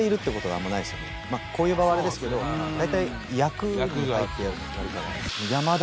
こういう場はあれですけど大体役に入ってやるから。